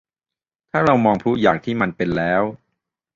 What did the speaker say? ถ้าเรามองพลุอย่างที่มันเป็นแล้ว